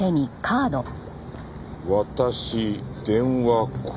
「私電話光」？